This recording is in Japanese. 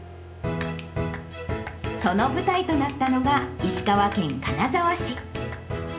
その舞台となったのが、石川県金沢市。